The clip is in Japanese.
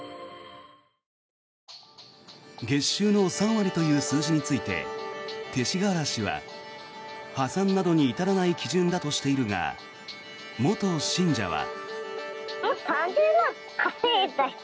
月収の３割という数字について勅使河原氏は破産などに至らない基準だとしているが元信者は。